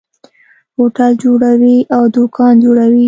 هوټل جوړوي او دکان جوړوي.